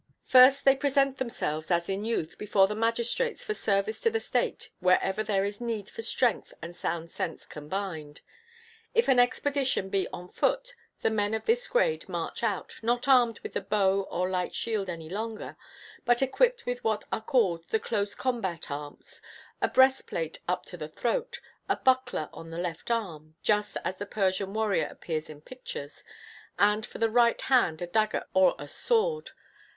First they present themselves, as in youth, before the magistrates for service to the state wherever there is need for strength and sound sense combined. If an expedition be on foot the men of this grade march out, not armed with the bow or the light shield any longer, but equipped with what are called the close combat arms, a breastplate up to the throat, a buckler on the left arm (just as the Persian warrior appears in pictures), and for the right hand a dagger or a sword.